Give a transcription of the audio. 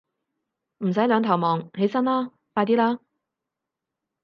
唔使兩頭望，起身啦，快啲啦